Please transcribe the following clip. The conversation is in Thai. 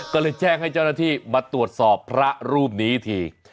ก็เลยแจ้งให้เจ้าหน้าที่มาตรวจสอบพระรูปนี้ที